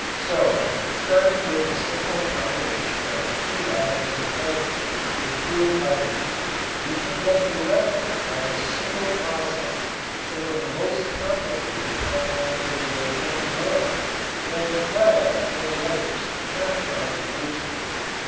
So, starting with the simple combination of two atoms of carbon with two of hydrogen, we can get directly by this single process some of the most complicated compounds of the organic world, as well as many others not found in nature.